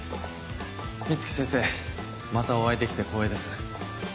美月先生またお会いできて光栄です。